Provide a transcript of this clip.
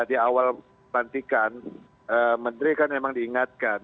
soal perantikan menteri kan memang diingatkan